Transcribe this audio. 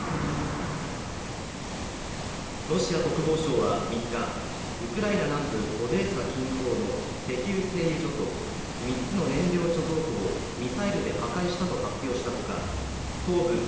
ロシア国防省は３日、ウクライナ南部オデーサ近郊の石油製油所と３つの燃料貯蔵庫をミサイルで破壊したと発表したほか東部